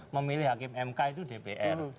memilih hakim mk itu dpr